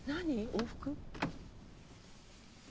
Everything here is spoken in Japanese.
往復？」